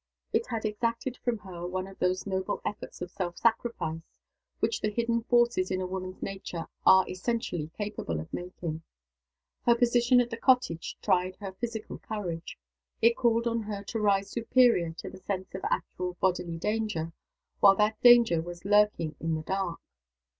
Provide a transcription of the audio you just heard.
It had exacted from her one of those noble efforts of self sacrifice which the hidden forces in a woman's nature are essentially capable of making. Her position at the cottage tried her physical courage: it called on her to rise superior to the sense of actual bodily danger while that danger was lurking in the dark.